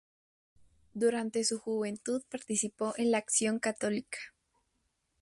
Durante su juventud participó en la Acción Católica.